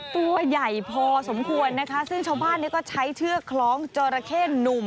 ตัวใหญ่พอสมควรนะคะซึ่งชาวบ้านก็ใช้เชือกคล้องจอราเข้หนุ่ม